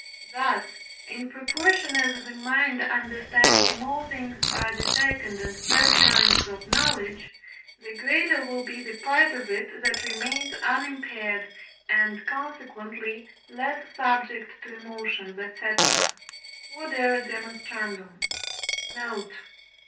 Thus, in proportion as the mind understands more things by the second and third kinds of knowledge, the greater will be the part of it, that remains unimpaired, and, consequently, less subject to emotions, &c. Q.E.D. Note.